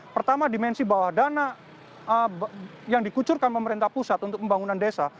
pertama dimensi bahwa dana yang dikucurkan pemerintah pusat untuk pembangunan desa